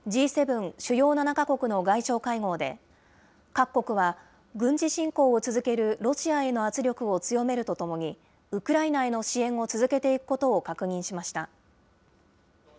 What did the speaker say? ・主要７か国の外相会合で、各国は、軍事侵攻を続けるロシアへの圧力を強めるとともに、ウクライナへの支援を続けていくことを確認しました。